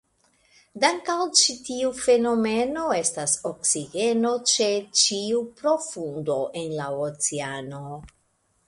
Dank' al ĉi tiu fenomeno estas oksigeno ĉe ĉiu profundo en la oceano.